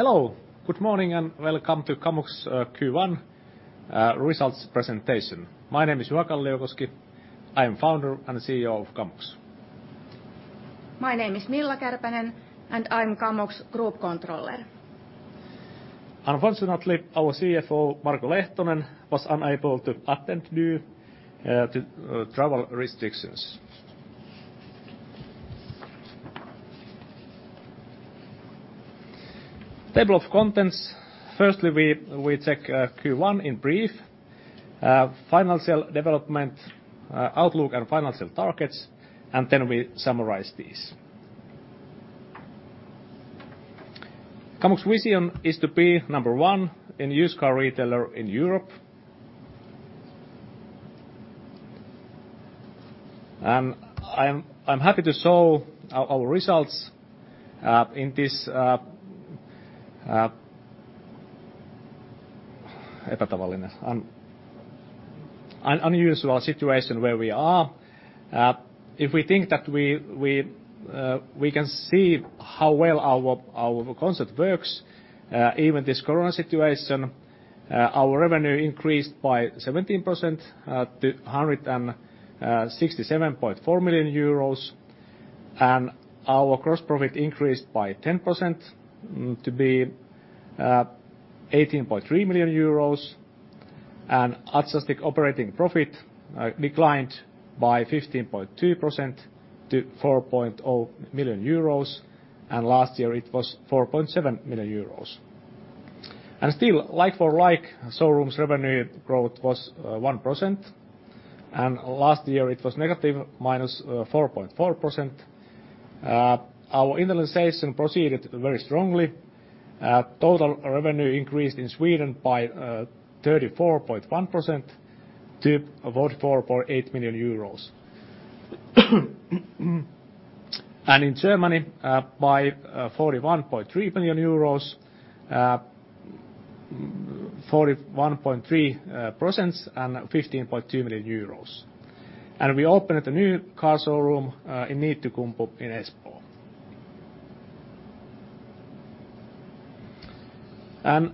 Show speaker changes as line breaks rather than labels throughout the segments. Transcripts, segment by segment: Hello, good morning and welcome to Kamux Q1 results presentation. My name is Juha Kalliokoski. I am the founder and CEO of Kamux.
My name is Milla Kärpänen, and I am Kamux Group Controller.
Unfortunately, our CFO, Marko Lehtonen, was unable to attend due to travel restrictions. Table of contents. Firstly, we take Q1 in brief: financial development outlook and financial targets, and then we summarize these. Kamux Vision is to be number one in used car retailer in Europe. I'm happy to show our results in this unusual situation where we are. If we think that we can see how well our concept works, even this corona situation, our revenue increased by 17% to 167.4 million euros, and our gross profit increased by 10% to be 18.3 million euros, and adjusted operating profit declined by 15.2% to 4.0 million euros, and last year it was 4.7 million euros. Still, like for like, showrooms revenue growth was 1%, and last year it was negative, minus 4.4%. Our internationalization proceeded very strongly. Total revenue increased in Sweden by 34.1% to 44.8 million euros. In Germany by 41.3 million euros, 41.3% and 15.2 million euros. We opened a new car showroom in Niittykumpu in Espoo. The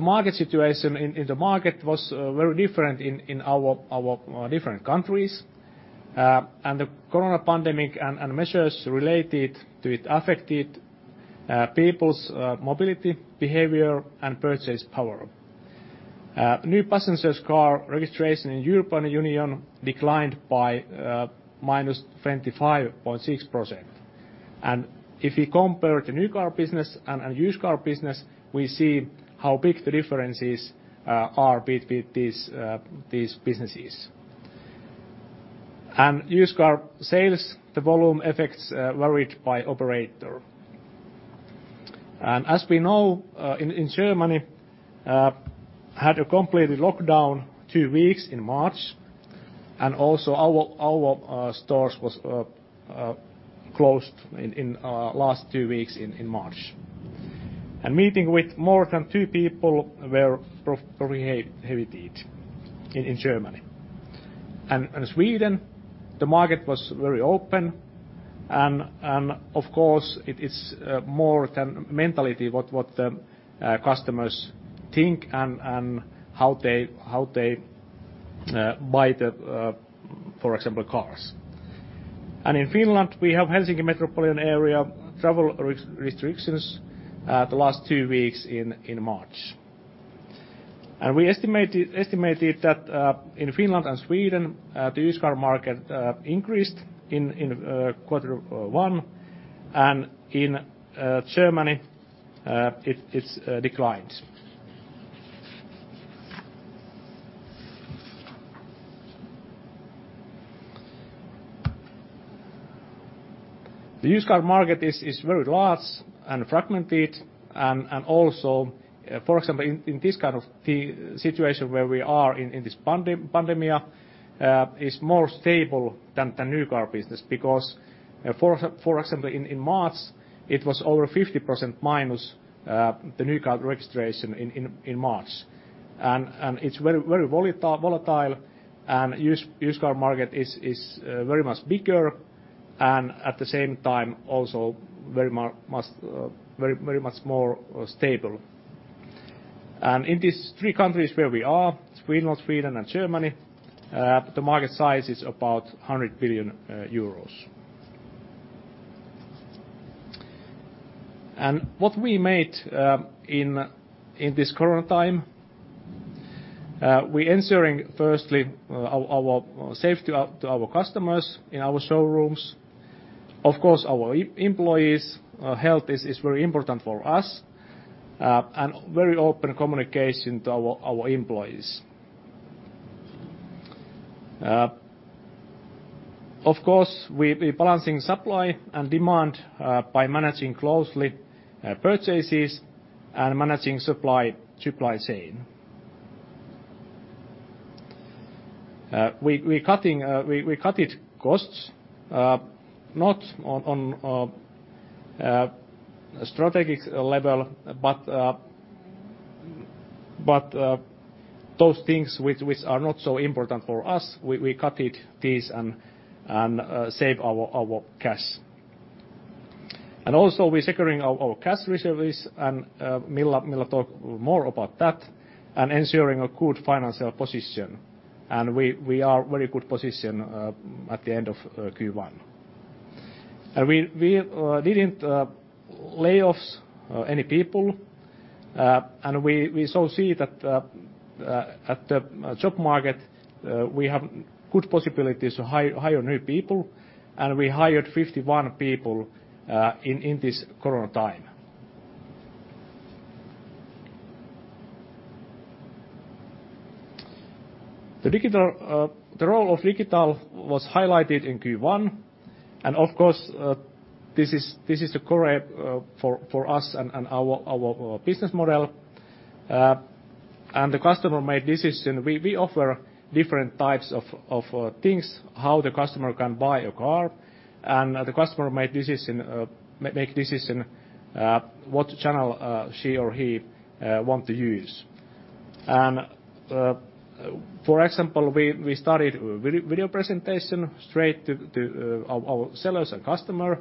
market situation in the market was very different in our different countries. The corona pandemic and measures related to it affected people's mobility behavior and purchasing power. New passenger car registration in the European Union declined by -25.6%. If we compare the new car business and the used car business, we see how big the differences are between these businesses. Used car sales, the volume effects varied by operator. As we know, in Germany, we had a complete lockdown two weeks in March, and also our stores were closed in the last two weeks in March. Meeting with more than two people was a very heavy deed in Germany. In Sweden, the market was very open, and of course, it's more than mentality what the customers think and how they buy, for example, cars. In Finland, we have Helsinki Metropolitan Area travel restrictions the last two weeks in March. We estimated that in Finland and Sweden, the used car market increased in quarter one, and in Germany, it declined. The used car market is very large and fragmented, and also, for example, in this kind of situation where we are in this pandemic, it's more stable than the new car business because, for example, in March, it was over 50% minus the new car registration in March. It's very volatile, and the used car market is very much bigger and at the same time also very much more stable. And in these three countries where we are, Sweden, and Germany, the market size is about 100 billion euros. And what we made in this corona time, we are ensuring firstly our safety to our customers in our showrooms. Of course, our employees' health is very important for us, and very open communication to our employees. Of course, we are balancing supply and demand by managing closely purchases and managing the supply chain. We cut costs not on a strategic level, but those things which are not so important for us, we cut these and save our cash. And also, we are securing our cash reserves, and Milla will talk more about that, and ensuring a good financial position. And we are in a very good position at the end of Q1. We didn't lay off any people, and we also see that at the job market, we have good possibilities to hire new people, and we hired 51 people in this corona time. The role of digital was highlighted in Q1, and of course, this is the core for us and our business model. And the customer made decisions. We offer different types of things how the customer can buy a car, and the customer made decisions what channel she or he wants to use. And for example, we started video presentations straight to our sellers and customers,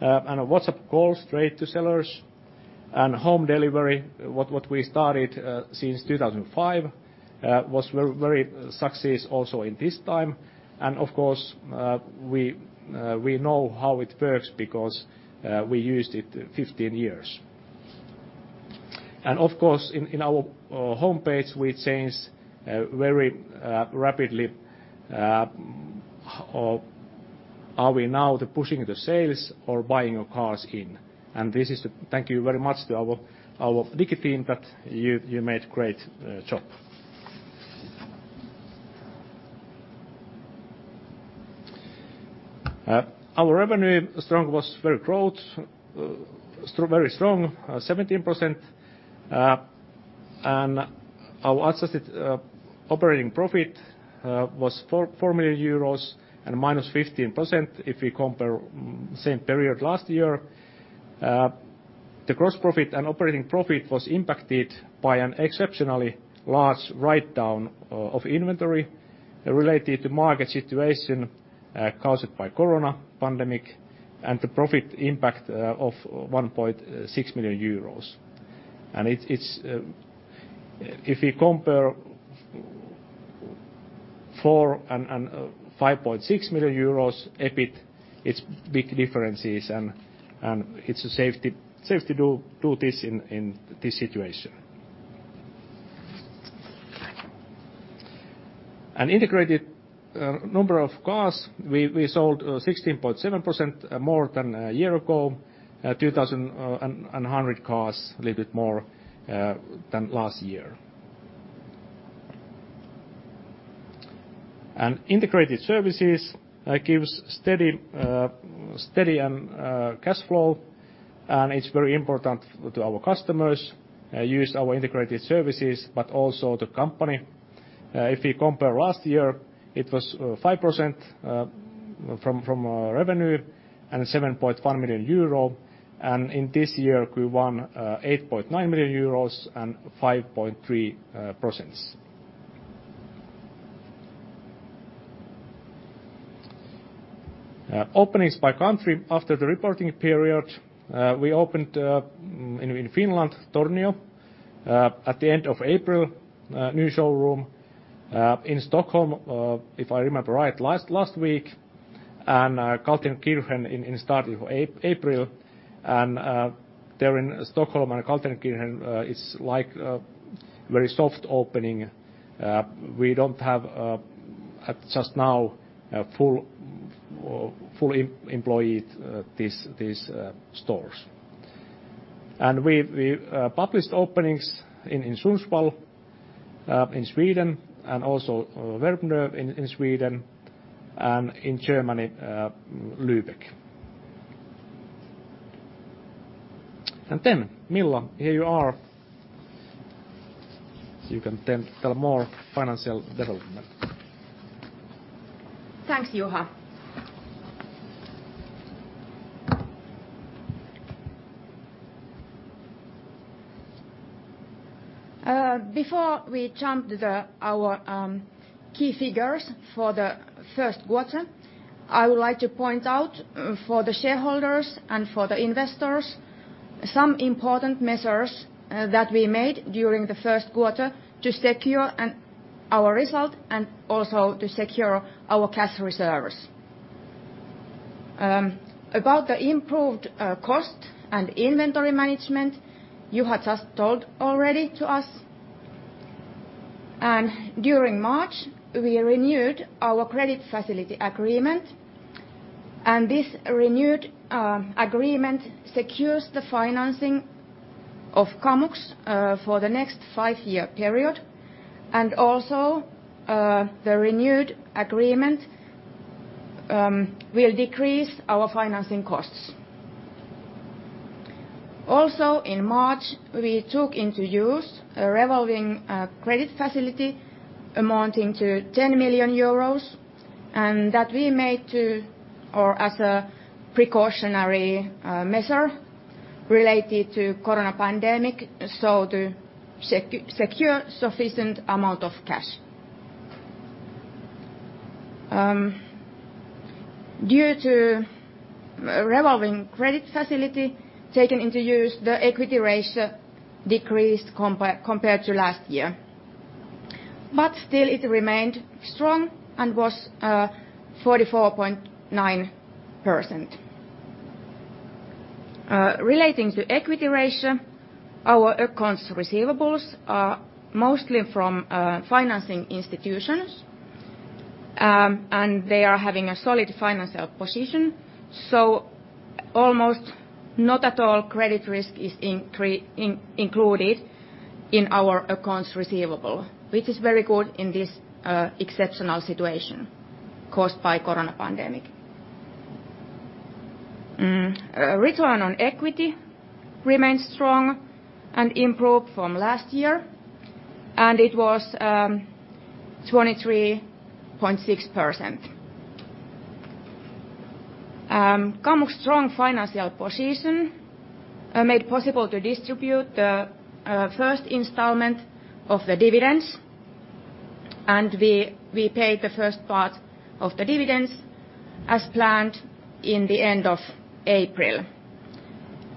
and a WhatsApp call straight to sellers, and home delivery. What we started since 2005 was a very successful also in this time. And of course, we know how it works because we used it 15 years. And of course, in our homepage, we changed very rapidly. Are we now pushing the sales or buying cars in? And this is to thank you very much to our Nikki team that you made a great job. Our revenue was very strong, 17%, and our adjusted operating profit was four million EUR and -15% if we compare the same period last year. The gross profit and operating profit were impacted by an exceptionally large write-down of inventory related to the market situation caused by the corona pandemic, and the profit impact of 1.6 million EUR. And if we compare four and 5.6 million euros EBIT, it's big differences, and it's safe to do this in this situation. And integrated number of cars, we sold 16.7% more than a year ago, 2,100 cars a little bit more than last year. Integrated Services give steady cash flow, and it's very important to our customers to use our integrated services, but also the company. If we compare last year, it was 5% from revenue and 7.1 million euro, and in this year, Q1, 8.9 million euros and 5.3%. Openings by country after the reporting period. We opened in Finland, Tornio, at the end of April, a new showroom in Stockholm, if I remember right, last week, and Kaltenkirchen in start of April. There in Stockholm, Kaltenkirchen is like a very soft opening. We don't have just now full employees, these stores. We published openings in Sundsvall in Sweden and also Värmdö in Sweden and in Germany, Lübeck. Then, Milla, here you are. You can tell more financial development.
Thanks, Juha. Before we jump to our key figures for the first quarter, I would like to point out for the shareholders and for the investors some important measures that we made during the first quarter to secure our result and also to secure our cash reserves. About the improved cost and inventory management, you have just told already to us, and during March, we renewed our credit facility agreement, and this renewed agreement secures the financing of Kamux for the next five-year period, and also the renewed agreement will decrease our financing costs. Also, in March, we took into use a revolving credit facility amounting to 10 million euros that we made as a precautionary measure related to the corona pandemic to secure a sufficient amount of cash. Due to the revolving credit facility taken into use, the equity ratio decreased compared to last year, but still it remained strong and was 44.9%. Relating to the equity ratio, our accounts receivables are mostly from financing institutions, and they are having a solid financial position, so almost not at all credit risk is included in our accounts receivable, which is very good in this exceptional situation caused by the corona pandemic. Return on equity remains strong and improved from last year, and it was 23.6%. Kamux's strong financial position made it possible to distribute the first installment of the dividends, and we paid the first part of the dividends as planned in the end of April,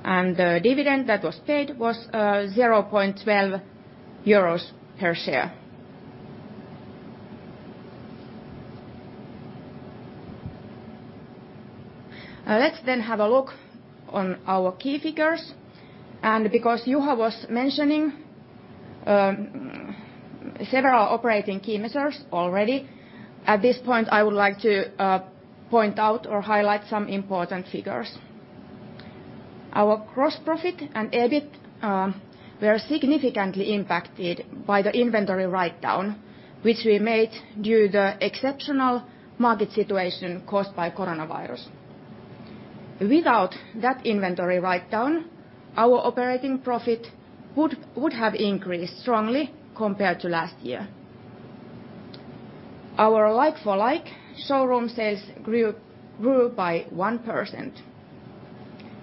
and the dividend that was paid was 0.12 euros per share. Let's then have a look on our key figures. Because Juha was mentioning several operating key measures already, at this point, I would like to point out or highlight some important figures. Our gross profit and EBIT were significantly impacted by the inventory write-down, which we made due to the exceptional market situation caused by the coronavirus. Without that inventory write-down, our operating profit would have increased strongly compared to last year. Our like-for-like showroom sales grew by 1%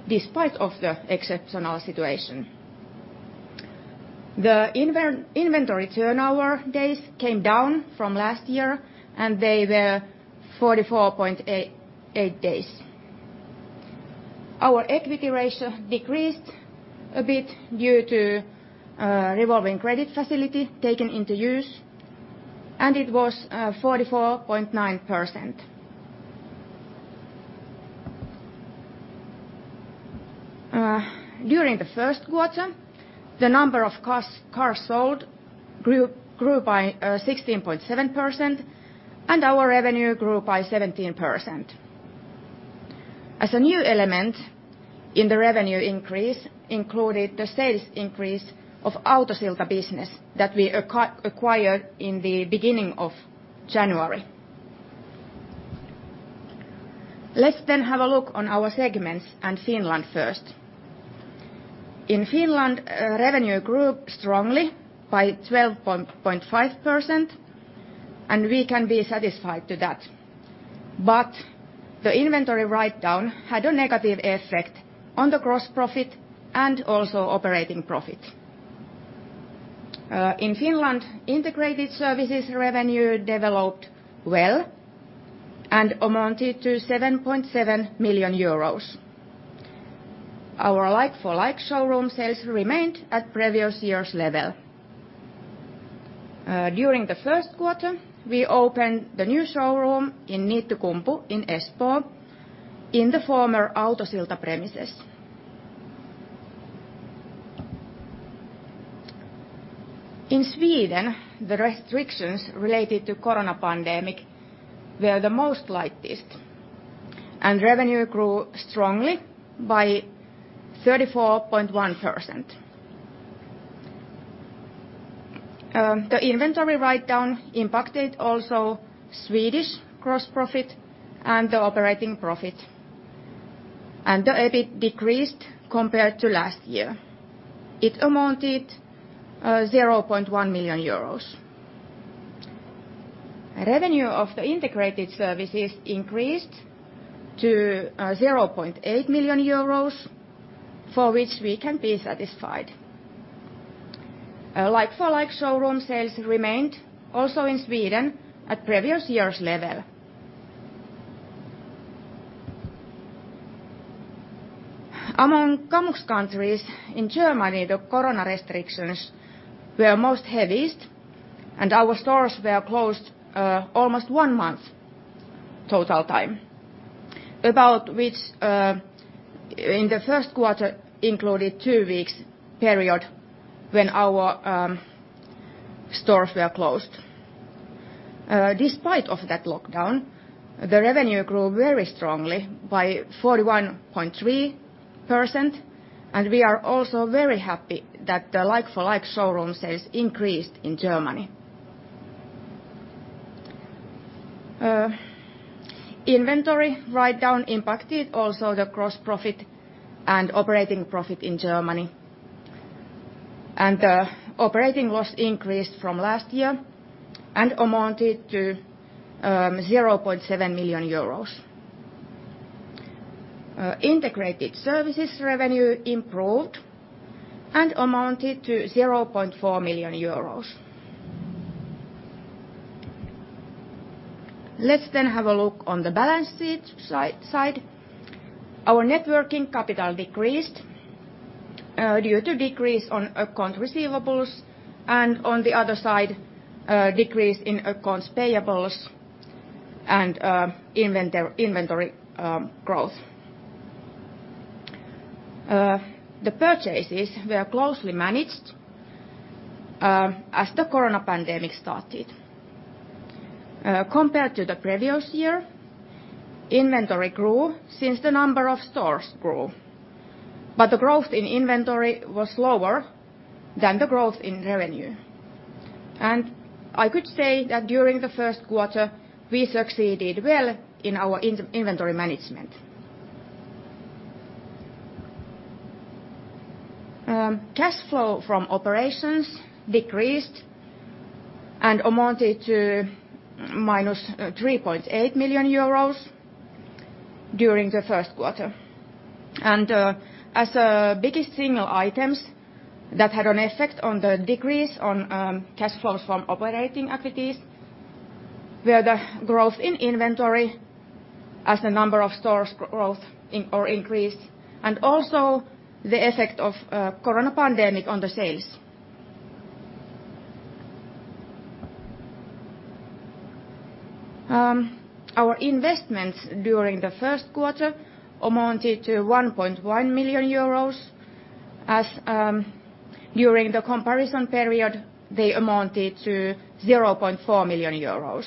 despite the exceptional situation. The inventory turnover days came down from last year, and they were 44.8 days. Our equity ratio decreased a bit due to the revolving credit facility taken into use, and it was 44.9%. During the first quarter, the number of cars sold grew by 16.7%, and our revenue grew by 17%. As a new element in the revenue increase included the sales increase of the Autosilta business that we acquired in the beginning of January. Let's then have a look on our segments and Finland first. In Finland, revenue grew strongly by 12.5%, and we can be satisfied with that. But the inventory write-down had a negative effect on the gross profit and also operating profit. In Finland, integrated services revenue developed well and amounted to 7.7 million euros. Our like-for-like showroom sales remained at previous year's level. During the first quarter, we opened the new showroom in Niittykumpu in Espoo in the former AutoSilta premises. In Sweden, the restrictions related to the corona pandemic were the most lightest, and revenue grew strongly by 34.1%. The inventory write-down impacted also Swedish gross profit and the operating profit, and the EBIT decreased compared to last year. It amounted to 0.1 million euros. Revenue of the integrated services increased to 0.8 million euros, for which we can be satisfied. Like-for-like showroom sales remained also in Sweden at previous year's level. Among Kamux countries, in Germany, the corona restrictions were heaviest, and our stores were closed almost one month total time, about which in the first quarter included a two-week period when our stores were closed. Despite that lockdown, the revenue grew very strongly by 41.3%, and we are also very happy that the like-for-like showroom sales increased in Germany. Inventory write-down impacted also the gross profit and operating profit in Germany, and the operating loss increased from last year and amounted to 0.7 million EUR. Integrated services revenue improved and amounted to 0.4 million EUR. Let's then have a look on the balance sheet side. Our net working capital decreased due to a decrease in accounts receivable and, on the other side, a decrease in accounts payable and inventory growth. The purchases were closely managed as the corona pandemic started. Compared to the previous year, inventory grew since the number of stores grew, but the growth in inventory was lower than the growth in revenue. And I could say that during the first quarter, we succeeded well in our inventory management. Cash flow from operations decreased and amounted to minus 3.8 million euros during the first quarter. And as the biggest single items that had an effect on the decrease in cash flows from operating activities were the growth in inventory as the number of stores increased, and also the effect of the corona pandemic on the sales. Our investments during the first quarter amounted to 1.1 million euros, as during the comparison period, they amounted to 0.4 million euros.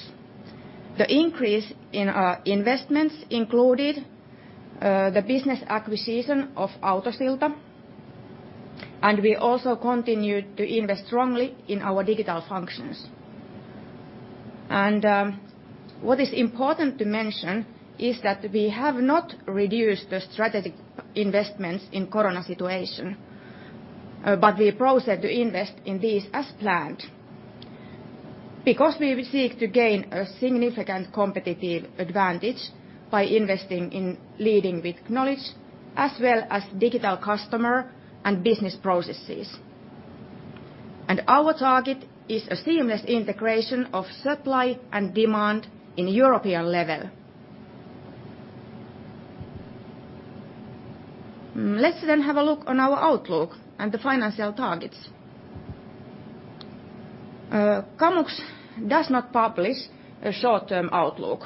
The increase in investments included the business acquisition of AutoSilta, and we also continued to invest strongly in our digital functions. What is important to mention is that we have not reduced the strategic investments in the corona situation, but we proceeded to invest in these as planned because we seek to gain a significant competitive advantage by investing in Leading with knowledge as well as digital customer and business processes. Our target is a seamless integration of supply and demand on a European level. Let's then have a look on our outlook and the financial targets. Kamux does not publish a short-term outlook.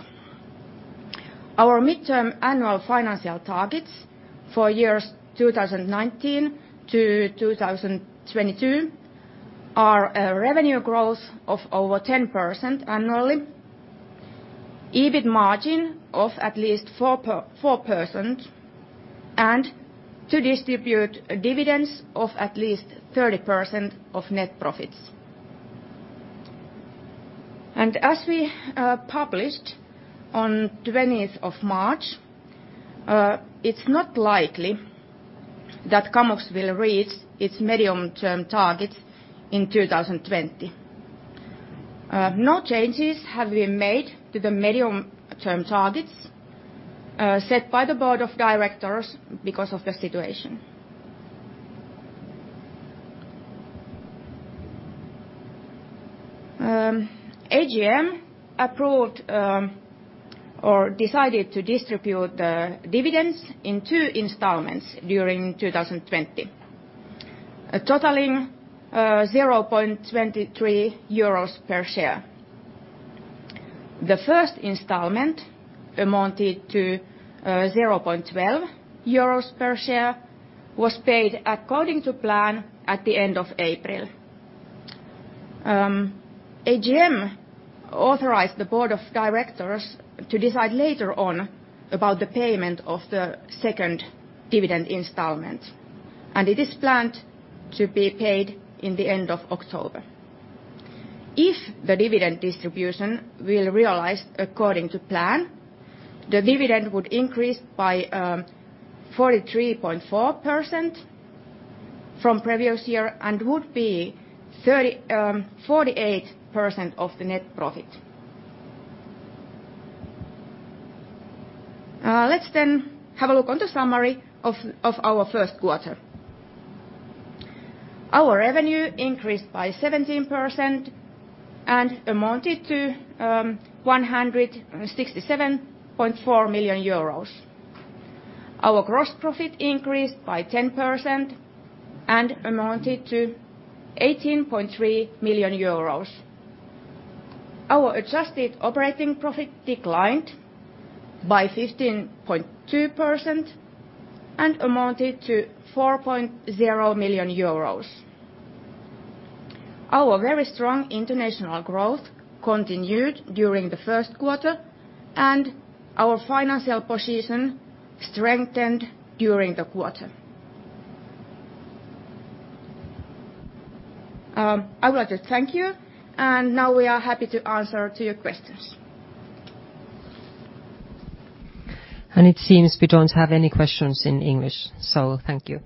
Our midterm annual financial targets for years 2019 to 2022 are a revenue growth of over 10% annually, EBIT margin of at least 4%, and to distribute dividends of at least 30% of net profits. As we published on the 20th of March, it's not likely that Kamux will reach its medium-term targets in 2020. No changes have been made to the medium-term targets set by the board of directors because of the situation. AGM approved or decided to distribute the dividends in two installments during 2020, totaling 0.23 euros per share. The first installment, amounted to 0.12 euros per share, was paid according to plan at the end of April. AGM authorized the board of directors to decide later on about the payment of the second dividend installment, and it is planned to be paid at the end of October. If the dividend distribution will be realized according to plan, the dividend would increase by 43.4% from the previous year and would be 48% of the net profit. Let's then have a look at the summary of our first quarter. Our revenue increased by 17% and amounted to 167.4 million EUR. Our gross profit increased by 10% and amounted to 18.3 million euros. Our adjusted operating profit declined by 15.2% and amounted to 4.0 million euros. Our very strong international growth continued during the first quarter, and our financial position strengthened during the quarter. I would like to thank you, and now we are happy to answer your questions. And it seems we don't have any questions in English, so thank you.